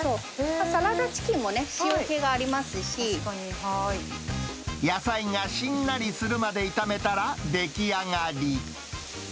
サラダチキンもね、野菜がしんなりするまで炒めたら出来上がり。